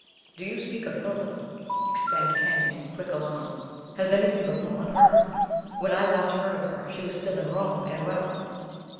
"Do you speak of Hilda?" exclaimed Kenyon, with quick alarm. "Has anything befallen her? When I last heard of her, she was still in Rome, and well."